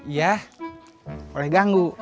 iya boleh ganggu